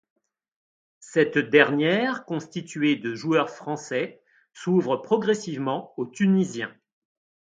Cette dernière, constituée de joueurs français, s'ouvre progressivement aux Tunisiens.